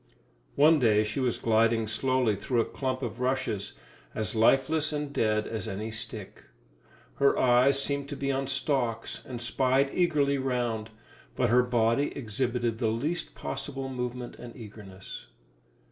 One day she was gliding slowly through a clump of rushes, as lifeless and dead as any stick. Her eyes seemed to be on stalks and spied eagerly round, but her body exhibited the least possible movement and eagerness.